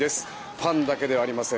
ファンだけではありません。